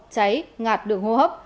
cháy ngạt được hô hấp